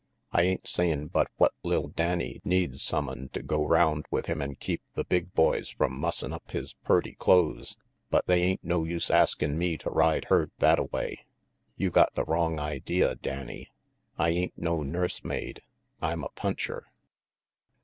"I ain't sayin' but what li'l Danny needs sumone to go round with him an' keep the big boys from mussin' up his purty clothes, but they ain't no use askin' me to ride herd thattaway. You got the wrong idea, Danny. I ain't no nurse maid. I'm a puncher."